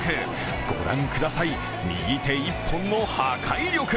御覧ください、右手一本の破壊力！